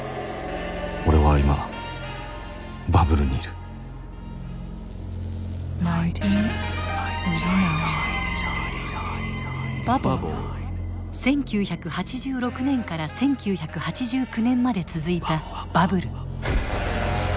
俺は今バブルにいる１９８６年から１９８９年まで続いたバブル。